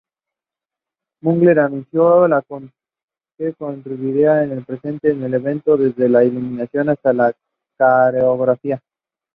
Mugler anunció que contribuiría en preparar el evento, desde la iluminación hasta la coreografía.